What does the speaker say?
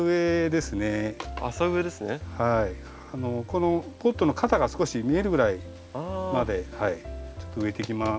このポットの肩が少し見えるぐらいまで植えていきます。